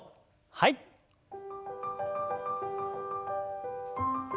はい。